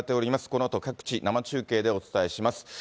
このあと各地、生中継でお伝えします。